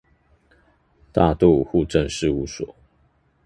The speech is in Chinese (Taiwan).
大肚戶政事務所